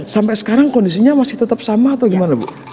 sampai sekarang kondisinya masih tetap sama atau gimana bu